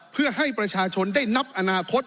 เพื่อให้ประชาชนได้นับอนาคต